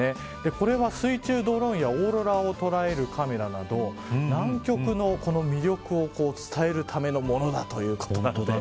これは水中ドローンやオーロラを捉えるカメラなど南極の魅力を伝えるためのものだということなんです。